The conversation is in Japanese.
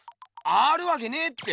あるわけねえって。